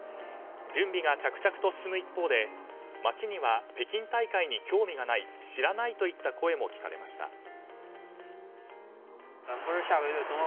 準備が着々と進む一方で街には北京大会に興味がない、知らないといった声も聞かれました。